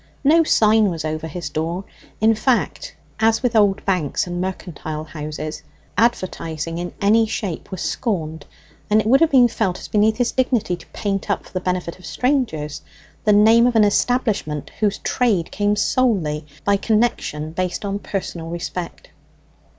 No sign was over his door; in fact as with old banks and mercantile houses advertising in any shape was scorned, and it would have been felt as beneath his dignity to paint up, for the benefit of strangers, the name of an establishment whose trade came solely by connection based on personal respect.